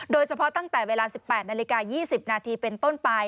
ตั้งแต่เวลา๑๘นาฬิกา๒๐นาทีเป็นต้นไป